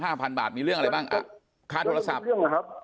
พันบาทมีเรื่องอะไรบ้างอ่ะค่าโทรศัพท์เรื่องนะครับ